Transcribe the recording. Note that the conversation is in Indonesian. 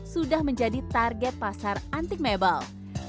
sudah menjadi target pasar antik mebel